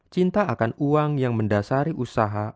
cinta akan uang yang mendasari usaha